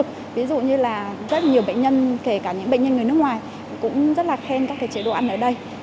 cũng rất là khen các chế độ ăn ở đây